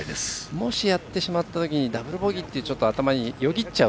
もしやってしまったときにダブルボギーって頭によぎっちゃう。